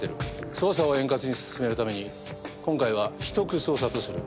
捜査を円滑に進めるために今回は秘匿捜査とする。